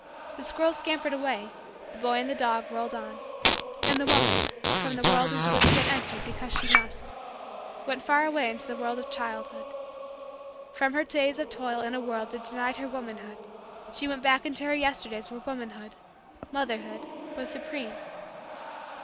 The squirrels scampered away; the boy and dog whirled on; and the woman, from the world into which she had entered because she must, went far away into the world of childhood. From her day of toil in a world that denied her womanhood she went back into her Yesterdays where womanhood motherhood was supreme.